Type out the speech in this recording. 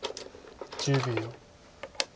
１０秒。